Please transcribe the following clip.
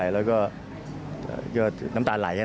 รับน้ำตาลไหลนะ